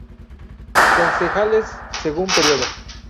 Concejales según período